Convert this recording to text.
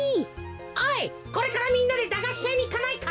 おいこれからみんなでだがしやにいかないか？